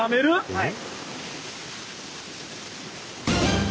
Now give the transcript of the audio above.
はい。